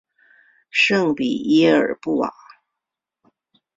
圣皮耶尔布瓦。